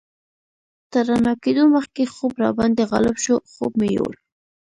تر رڼا کېدو مخکې خوب راباندې غالب شو، خوب مې یوړ.